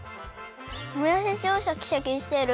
もやしちょうシャキシャキしてる！